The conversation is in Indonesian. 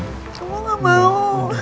kamu gak mau